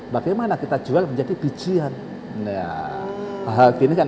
bagaimana kita jual menjadi bijian nah hal begini kan